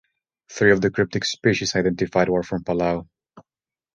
Three of the cryptic species identified were from Palau.